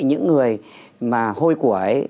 những người hôi của ấy